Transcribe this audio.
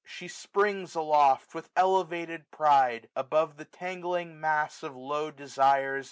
She springs aloft, with elevated pride. Above the tangling mass q£ low desires.